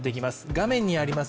画面にあります